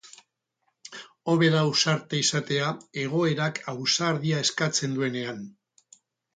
Hobe da ausarta izatea egoerak ausardia eskatzen duenean.